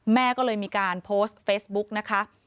แม่ก็เลยมีการโพสต์เฟซบุ๊กนะคะ